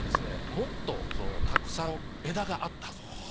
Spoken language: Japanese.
もっとたくさん枝があったはずです。